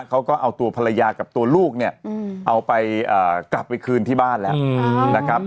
เขาก็เอาตัวภรรยากับตัวลูกเนี่ยเอาไปกลับไปคืนที่บ้านแล้วนะครับ